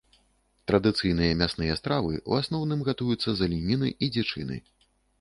Традыцыйныя мясныя стравы, у асноўным, гатуюцца з аленіны і дзічыны.